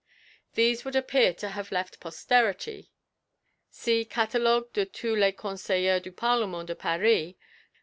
These would appear to have left posterity (see Catalogue de tous les Conseillers du Parlement de Paris, pp.